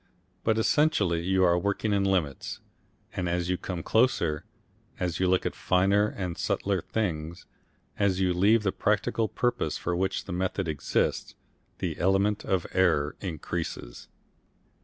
But essentially you are working in limits, and as you come closer, as you look at finer and subtler things, as you leave the practical purpose for which the method exists, the element of error increases.